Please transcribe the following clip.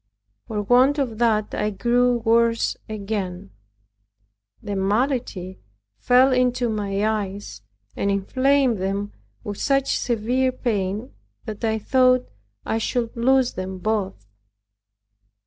For want of that I grew worse again. The malady fell into my eyes, and inflamed them with such severe pain, that I thought I should lose them both.